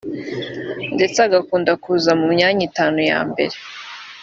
ndetse agakunda kuza mu myanya utanu ya mbere